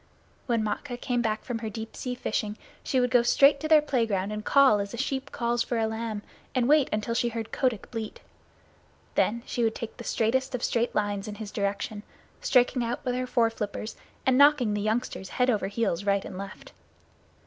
When Matkah came back from her deep sea fishing she would go straight to their playground and call as a sheep calls for a lamb, and wait until she heard Kotick bleat. Then she would take the straightest of straight lines in his direction, striking out with her fore flippers and knocking the youngsters head over heels right and left.